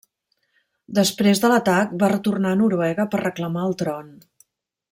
Després de l'atac va retornar a Noruega per reclamar el tron.